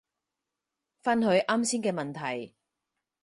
返去啱先嘅問題